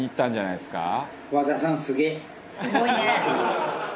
すごいね。